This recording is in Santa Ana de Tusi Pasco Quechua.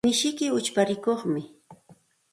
Mishiyki uchpa rikuqmi.